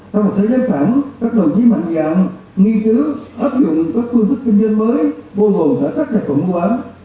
trong một thế giới phẳng các đồng chí mạnh giảm nghi chứa áp dụng các phương thức kinh doanh mới vô gồm khả sách và phẩm cú án